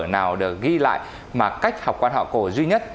nào được ghi lại mà cách học quan họ cổ duy nhất